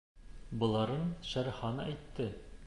— Быларын Шер Хан әйтте.